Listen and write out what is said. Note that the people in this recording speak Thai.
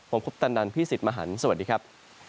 ผมคุปตันนันพี่สิทธิ์มหันฯสวัสดีครับ